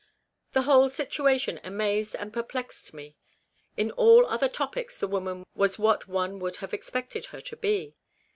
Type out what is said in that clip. The whole situation amazed and perplexed me. On all other topics the woman was what one would have expected her to be.